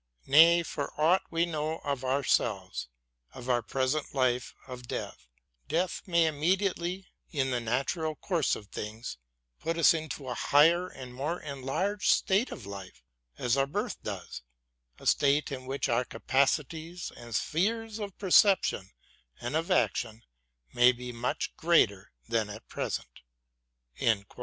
Nay, for aught we know of ourselves, of our present life and of death, death may immediately, in the natural course of things, put us into a higher and more enlarged state of life, as our birth does : a state in which our capacities and sphere of perception and of action may be much greater than at present.